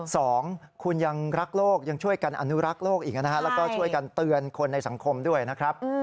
สองคุณยังรักโลกยังช่วยกันอนุรักษ์โลกอีกนะฮะแล้วก็ช่วยกันเตือนคนในสังคมด้วยนะครับ